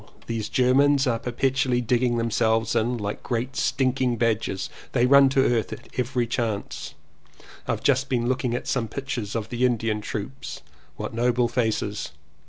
These Germans are per petually digging themselves in. Like great stinking badgers they run to earth at every chance. I've just been looking at some pictures of the Indian troops. What noble faces!